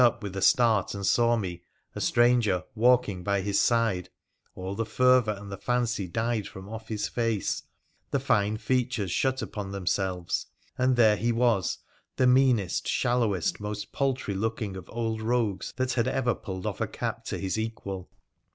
np with a start and saw me, a stranger, walking by his side, ail the fervour and the fancy died from off his face, the fine features shut upon themselves ; and there he was, the meanest, Bhallowest, most paltry looking of old rogues that had ever pulled off a cap to his equal